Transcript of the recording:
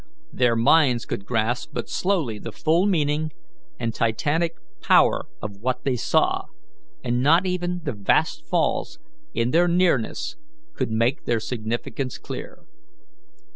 Their minds could grasp but slowly the full meaning and titanic power of what they saw, and not even the vast falls in their nearness could make their significance clear.